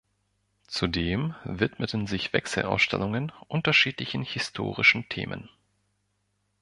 Zudem widmeten sich Wechselausstellungen unterschiedlichen historischen Themen.